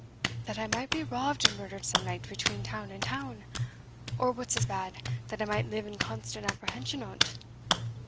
"That I might be robbed and murdered some night between town and town? or, what's as bad, that I might live in constant apprehension o't?